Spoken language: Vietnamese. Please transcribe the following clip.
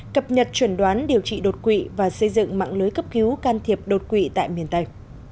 cập nhật chuẩn đoán điều trị đột quỵ và xây dựng mạng lưới cấp cứu can thiệp đột quỵ tại miền tây